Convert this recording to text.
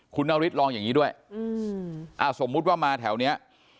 คุณนฤทธิลองอย่างนี้ด้วยสมมุติว่ามาแถวนี้